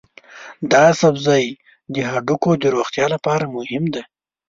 دا سبزی د هډوکو د روغتیا لپاره مهم دی.